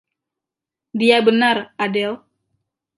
Dia benar, Adele.